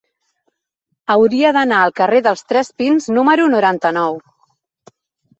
Hauria d'anar al carrer dels Tres Pins número noranta-nou.